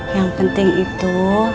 yang penting itu